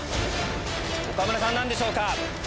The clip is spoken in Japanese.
岡村さんなんでしょうか？